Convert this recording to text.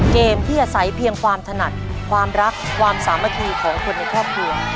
เกมที่อาศัยเพียงความถนัดความรักความสามัคคีของคนในครอบครัว